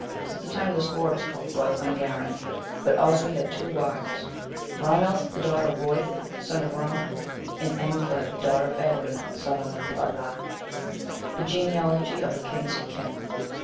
Since the time of this war it is called Gueithlin Garan. But Oswy had two wives, Riemmelth, the daughter of Royth, son of Rum; and Eanfled, the daughter of Edwin, son of Alla. THE GENEALOGY OF THE KINGS OF KENT.